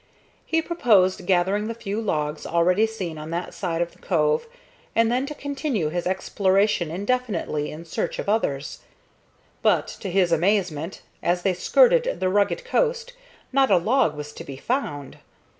He purposed gathering the few logs already seen on that side of the cove, and then to continue his exploration indefinitely in search of others; but, to his amazement, as they skirted the rugged coast, not a log was to be found.